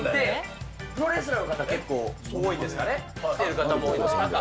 プロレスラーの方、結構多いんですかね、来てる方も多いんですね。